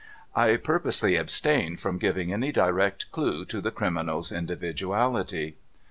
I purposely abstain from giving any direct clue to the criminal's individuality.